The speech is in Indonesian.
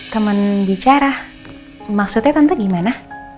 temen bicara maksudnya tante gimana